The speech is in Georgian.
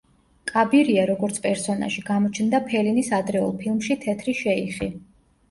კაბირია, როგორც პერსონაჟი, გამოჩნდა ფელინის ადრეულ ფილმში „თეთრი შეიხი“.